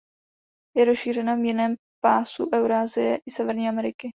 Je rozšířena v mírném pásu Eurasie i Severní Ameriky.